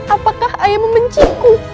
apakah ayah membenciku